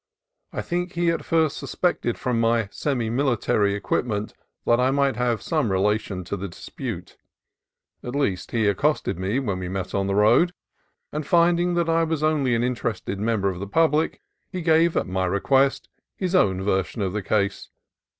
I think he at first suspected from my semi military equipment that I might have some relation to the dispute. At least, he accosted me when we met on the road, and finding that I was only an interested member of the public, he gave, at my request, his own version of the case.